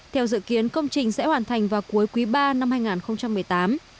theo dự kiến công trình sẽ hoàn thành vào cuối quý ba năm hai nghìn một mươi tám